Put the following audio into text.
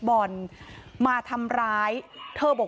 กลุ่มวัยรุ่นฝั่งพระแดง